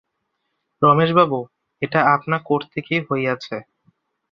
রমেশবাবু, এটা আপনা কর্তৃকই হইয়াছে।